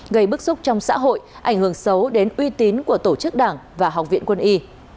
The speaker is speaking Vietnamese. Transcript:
gây bức xúc trong xã hội ảnh hưởng xấu đến uy tín của tổ chức đảng và học viện quân y